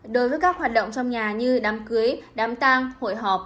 đối với các hoạt động trong nhà như đám cưới đám tang hội họp